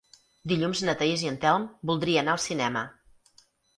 Dilluns na Thaís i en Telm voldria anar al cinema.